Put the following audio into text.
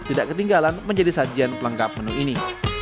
tidak ketinggalan menjadi sajian pelengkap menu ini